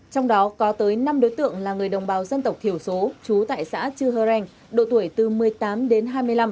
trong đó có tới năm đối tượng là người đồng bào dân tộc thiểu số trú tại xã chư heren độ tuổi từ một mươi tám đến hai mươi năm